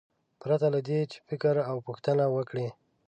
پرته له دې چې فکر او پوښتنه وکړي.